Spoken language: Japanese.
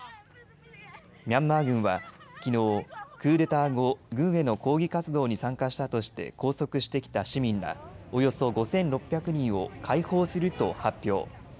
ミャンマー軍はきのう、クーデター後、軍への抗議活動に参加したとして拘束してきた市民らおよそ５６００人を解放すると発表。